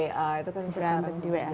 berantem di wa